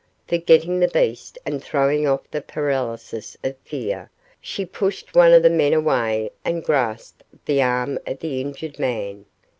Forgetting the beast and throwing off the paralysis of fear, she pushed one of the men away and grasped the arm of the injured man.